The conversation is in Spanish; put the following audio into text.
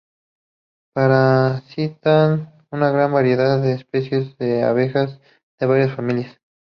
Parasitan una gran variedad de especies de abejas de varias familias.